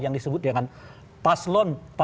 yang disebut dengan paslon